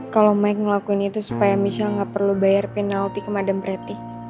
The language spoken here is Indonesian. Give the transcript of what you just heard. kalau maik ngelakuin itu supaya michelle gak perlu bayar penalti ke madam pretty